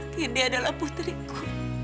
kendi adalah putriku